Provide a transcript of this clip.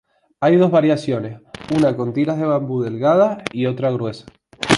Hay dos variaciones, una con tiras de bambú delgadas y otra gruesa.